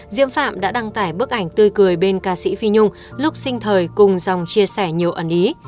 diễm phạm đã đăng tải bức ảnh tươi cười bên ca sĩ phi nhung lúc sinh thời cùng dòng chia sẻ nhiều ẩn ý